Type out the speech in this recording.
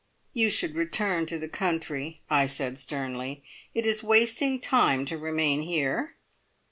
"You should return to the country," I said sternly. "It is wasting time to remain here."